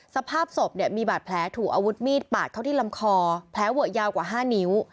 สภาพศพเนี่ยมีบาดแผลถูกอาวุธมีดปาดเข้าที่ลำคอแผลเวอะยาวกว่า๕นิ้ว